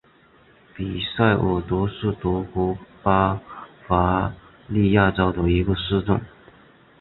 比塔尔德是德国巴伐利亚州的一个市镇。